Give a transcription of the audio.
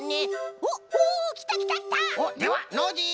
おっではノージー！